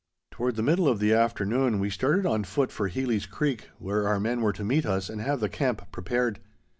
Toward the middle of the afternoon we started on foot for Heely's Creek, where our men were to meet us and have the camp prepared.